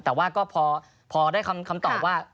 แต่ว่าก็พอได้คำตอบว่า